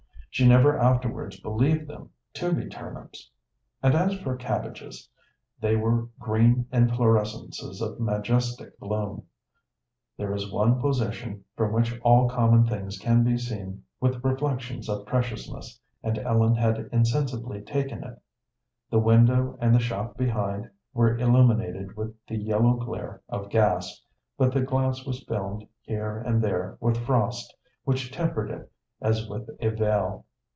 She never afterwards believed them to be turnips; and as for cabbages, they were green inflorescences of majestic bloom. There is one position from which all common things can be seen with reflections of preciousness, and Ellen had insensibly taken it. The window and the shop behind were illuminated with the yellow glare of gas, but the glass was filmed here and there with frost, which tempered it as with a veil.